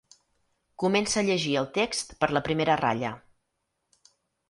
Comença a llegir el text per la primera ratlla.